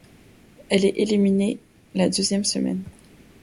Elle est éliminée la deuxième semaine.